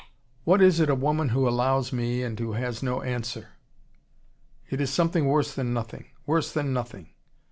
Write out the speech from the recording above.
What is it a woman who allows me, and who has no answer? It is something worse than nothing worse than nothing.